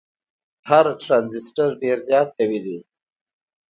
هر ټرانزیسټر ډیر زیات قوي دی.